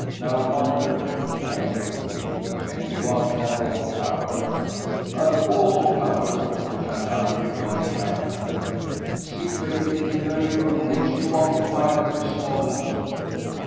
No wonder," he added coolly, "since he was in a wall cupboard." "A wall cupboard," the gendarme rejoined triumphantly, "situated in the very room which you occupy at this moment."